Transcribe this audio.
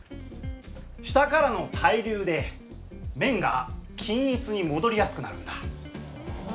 下からの対流で麺が均一に戻りやすくなるんだ。